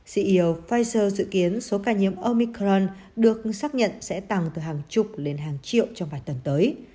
ceo pfizer dự kiến số ca nhiễm omicron được xác nhận sẽ tăng từ hàng chục lên hàng triệu trong vài tuần tới